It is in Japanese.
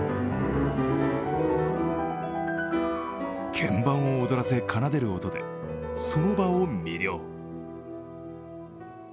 鍵盤を踊らせ、奏でる音でその場を魅了。